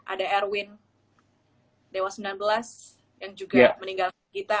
ada erwin dewa sembilan belas yang juga meninggal kita